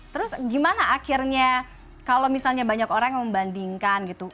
terus gimana akhirnya kalau misalnya banyak orang yang membandingkan gitu